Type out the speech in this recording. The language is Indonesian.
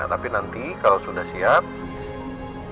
tapi nanti kalau sudah siap